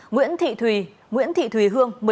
nguyễn thị thùy nguyễn thị thùy hương